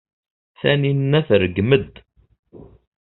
Taninna tṛeggem-d.